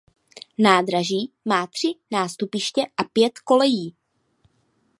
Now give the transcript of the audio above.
Nádraží má tři nástupiště a pět kolejí.